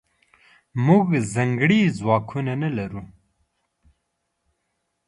موږځنکړي ځواکونه نلرو